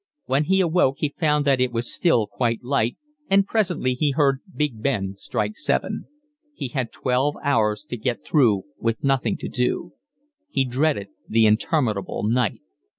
When he awoke he found that it was still quite light, and presently he heard Big Ben strike seven. He had twelve hours to get through with nothing to do. He dreaded the interminable night.